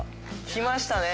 きましたね！